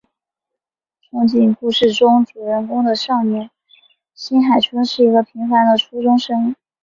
憧憬故事中主人公的少年新海春是个平凡的初中生。